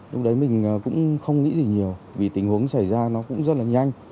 lúc đấy mình cũng không nghĩ gì nhiều vì tình huống xảy ra nó cũng rất là nhanh